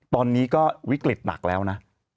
ตอนนี้ก็วิกฤตหนักแล้วนะ